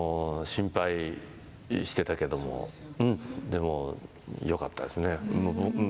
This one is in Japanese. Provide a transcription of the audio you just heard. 心配していたけれどでも、よかったですね。